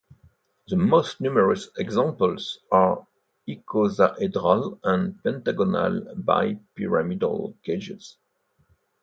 The most numerous examples are icosahedral and pentagonal bipyramidal cages.